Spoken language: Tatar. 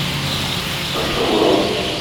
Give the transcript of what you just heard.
Кышкы буран...